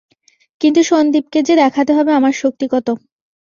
কিন্তু সন্দীপকে যে দেখাতে হবে আমার শক্তি কত!